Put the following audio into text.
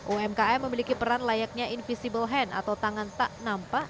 umkm memiliki peran layaknya invisible hand atau tangan tak nampak